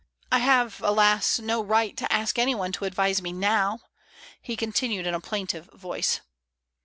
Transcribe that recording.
... I have, alas! no right to ask any one to advise me now^* he continued in a plaintive voice.